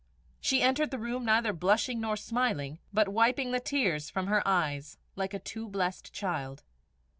She entered the room neither blushing nor smiling, but wiping the tears from her eyes like a too blessed child.